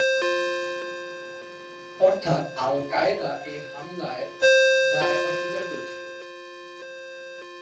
অর্থাৎ Al Qaeda এই হামলার দায় অস্বীকার করেছিল।